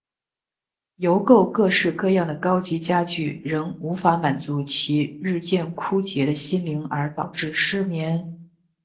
邮购各式各样的高级家具仍无法满足其日渐枯竭的心灵而导致失眠。